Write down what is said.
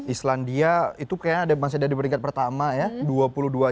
islandia itu kayaknya masih ada di peringkat pertama ya